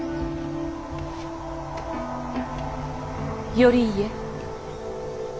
頼家。